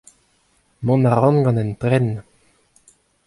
Mont a ran gant an tren.